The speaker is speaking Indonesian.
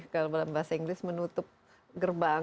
kalau dalam bahasa inggris menutup gerbang